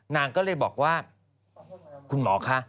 นางก็เลยบอกว่าคุณหมอคะ